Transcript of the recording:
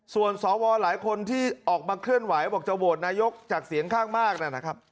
ส่วนสวหลายคนที่ออกมาเคลื่อนไหวบอกจะโหวตนายกจากเสียงข้างมากนะครับ